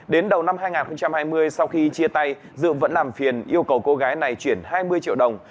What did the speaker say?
đến đầu năm hai nghìn hai mươi sau khi chia tay dương vẫn làm phiền yêu cầu cô gái này chuyển hai mươi triệu đồng